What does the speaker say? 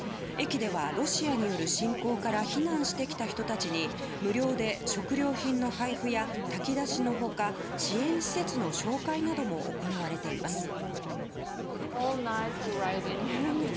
駅ではロシアによる侵攻から避難してきた人たちに無料で食料品の配布や炊き出しの他支援施設の紹介なども行われています。